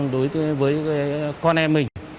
đối với con em mình